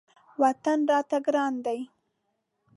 وطن راته ګران دی.